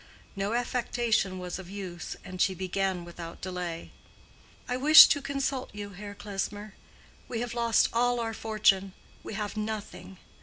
No affectation was of use, and she began without delay. "I wish to consult you, Herr Klesmer. We have lost all our fortune; we have nothing.